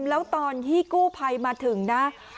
แล้วตอนที่กู้ภัยมาถึงนะ